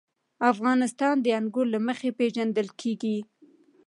افغانستان د انګور له مخې پېژندل کېږي.